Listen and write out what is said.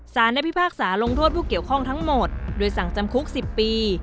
ได้พิพากษาลงโทษผู้เกี่ยวข้องทั้งหมดโดยสั่งจำคุก๑๐ปี